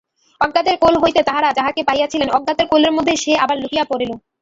অজ্ঞাতের কোল হইতে তাঁহারা যাহাকে পাইয়াছিলেন অজ্ঞাতের কোলের মধ্যেই সে আবার লুকাইয়া পড়িল।